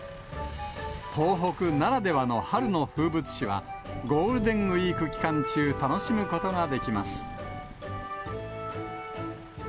東北ならではの春の風物詩は、ゴールデンウィーク期間中、楽しむことができます。